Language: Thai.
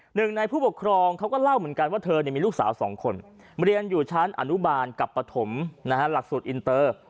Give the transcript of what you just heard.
หนึ่งในผู้ปกครองเขาก็เล่าเหมือนกันว่าเธอมีลูกสาว๒คนเรียนอยู่ชั้นอนุบาลกับปฐมหลักสูตรอินเตอร์